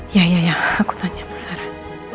ya ya ya aku tanya bu sarah